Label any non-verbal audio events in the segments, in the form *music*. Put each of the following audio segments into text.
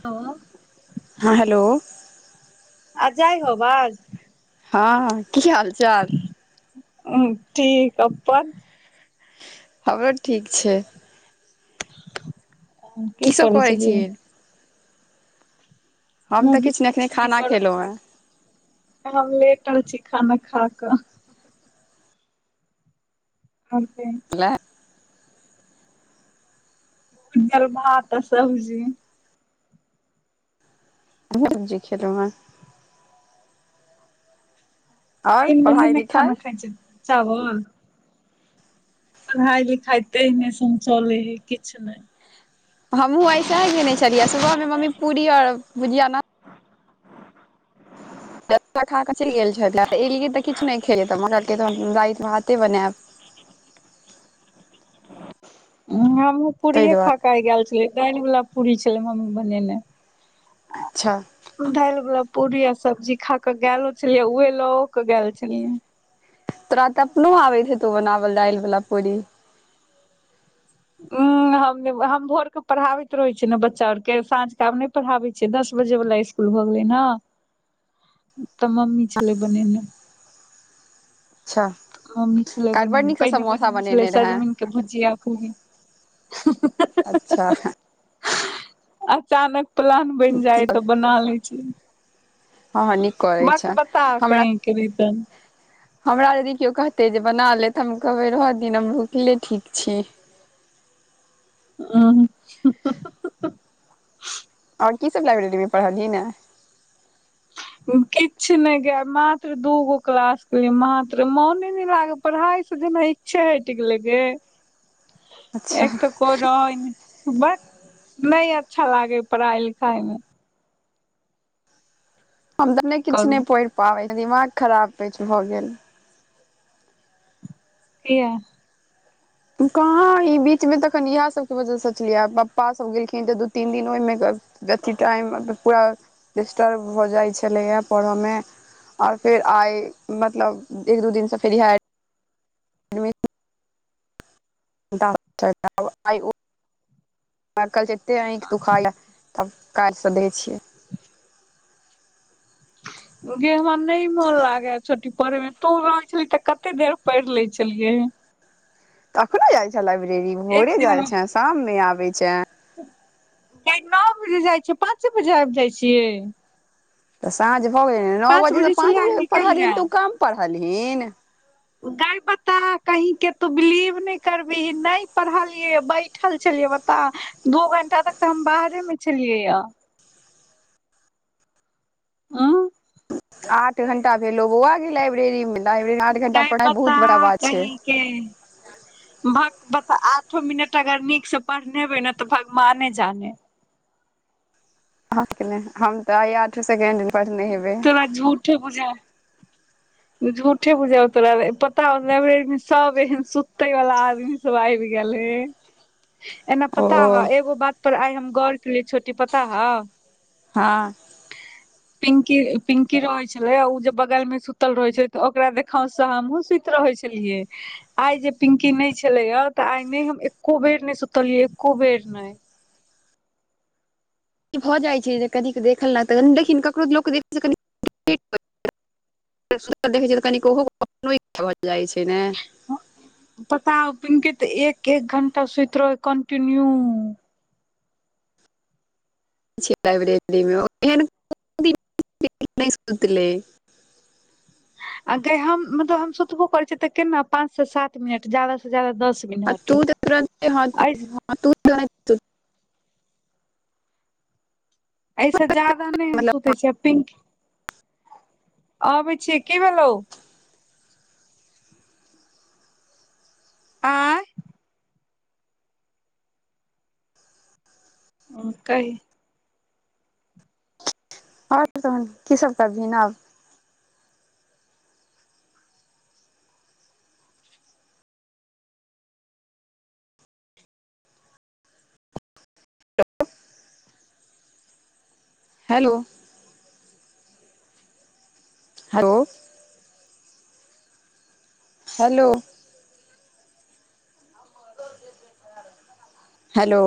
त *unintelligible* हँ हेलो आ जाइ हो बाज हँ की हाल चाल ह ठीक अपन हमरो ठीक छै की करै छेलिए हम तऽ भी एखने किछु नहि खाना करल खेलहुँ छल हम लेटल छी खाना खा कऽ आतै *unintelligible* ल *unintelligible* जल भात सबब्जी *unintelligible* खेलौ ह आओर तीन महिने पढ़ाइ नहि लिखाइ खाना खाइ छै चावल पढ़ाई लिखाई तेहने सन‌ चलै हय किछु नहि हमहुँ ऐसे हे गेने छलियै सुबह में मम्मी पूरी और भुजियााना ला कऽ चलि गेल छलैऽ एलियै तऽ किछु नहि खेलै तऽ हम कहल रातिमे हाथे बनायब हमूँ ताहि पूरीये खााक दुआरे आय गेल छलीयै दैल वालापूरी छलै म्मी बनेनाइ अच्छा दालि गुलाब पूड़ी आ सब्जी खााक गोलो छलियै उहे लओ के गेल छलियै तोरा त अपनो आबैत हे तो बनावल दालि वालला पूरी ह हम भोर के पढ़ाबैत रहे छियै ने बच्चा आर के साँझ के आब पढ़ाबे छियै दस बजे वाला इकूल *unintelligible* भऽ गेलै ने तऽ मम्मी छले बनेने अच्छा मम्मी छलै काल्हि बड़ बनेने नीकसँ पहिने समोसा बनेने छलै रहै सजमन कऽ भुजिया पूरी अच्छा अचानक प्लान बनि जाय तऽ बना ले छी हँ हँ नीक करै छऽ बकबता हमरा कहीं के भी तहन हमरा यदि केओ कहते जे बना ले तऽ हम कहबै रहय दिहि नऽ हम भूखले ठीक छी अच्छा आओर की सब लाइब्रेरी मऽ पढ़लियी ने *unintelligible* किछु नऽ गाय मात्र दू गो क्लास केलिए मात्र मोने नहि लागे पढ़ाई से जेना ईछे हेट गेलेगे अच्छा एक तऽ कोरन भख नहि अच्छा लागे पढ़ाई लिखाई मे हम तऽ अपने नहि की किछु करू नहि पढ़ि पाबै छी दिमाग खराब किछु भऽ गेल किया कहाँ ई बीच मे तखन इएह सबके वजह सोचलियै पप्पा सभ गेलखिन तऽ दू तीन दिन ओहिमे अथिी टाइम पूरा डिस्टर्ब हो जाइ छलैए पढ़यमे और फेर आय मतलब एक दू दिन से फेर इहा *unintelligible* तब कायलसँ दै छियै *unintelligible* गे हमरा नहि मोन लागे छोट्टी पढ़े मे तो रहे छलही तऽ कते देर पढ़ि ले छलियै अखनो जाय छऽ लाइब्रेरी एक भोरे दिन जाय छऽ शाम मे आबे छऽ नओ बजे जाइ छियै पाँचे बजे आबि जाइ छियै तऽ साँझ भऽ गेलनओ बजेसँ पाँच छलियै बजे निकलि पढ़लहन गेल तऽ ओ कम पढ़लहिन गाायपाता *unintelligible* तू बिलीव नहि करबी नहि पढ़लियै बैठल छलियै तऽ दू घं्टा तक तऽ हम बाहरे मऽ छलियै हँ उं आठ घंटा भेलो बौआ लाइब्रेरी मऽ लाइब्रेरी मऽ आठ घंटा गाय पढ़ाइ बता बहुत बड़ा बात छै कहीं के भक बता आठो मिनट अगर नीक से पढ़नेबै ने तऽ भगवाने जाने हम तऽ आय आढो सेकेंड नेय पढ़ने हेबे तोड़ा झूढे बुझाय झूठे बुजब तोरा पता हो तोरा लाइब्रेरी मऽ सब एहन सुते वाला आदमी सब आबि गेलहे एना ओ पता हाउ एगो बात पर आइ हम गौर कलिय छोटी पता हाउ हँ पिंकी पिंकी रहै छलै ओ जे बगलमे सु सुतल रहै छै तऽ ओकरा देखांवस सॅं हमहुँ सुति रहै छलियै आइ जे पिंकी नै छलेया तऽ आइ नै हम एक्को बेर नै सुतलियै एक्को बेर नै ई भऽ जाइ छै जे कनिक देखल नै तऽ देखिन ककरो लोक *unintelligible* सुतल देखै छै तऽ कनिके *unintelligible* भऽ जाइ छै ने पता हाउ पिन्की तऽ एक एक घण्टा सुयत रहय कन्टिन्यू *unintelligible* आयगे हम मतलब हम सुतबो करै छियै तऽ केन्ना पाँच से सात मिनट ज्यादा सऽ ज्यादा दस मिनट एहि *inaudible* अयसे ज्यादा नै हम मतलब सुतै छियै पिंक अबै छियै कि भेलौ आँय उंम्म कहि *unintelligible* तहन की सब करबिहीन आब hello hello hello hello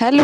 hello